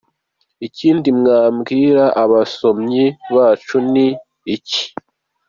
com : ikindi mwabwira abasomyi bacu ni iki ?.